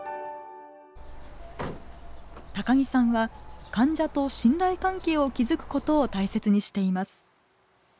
高木さんは患者と信頼関係を築くことを大切にしています。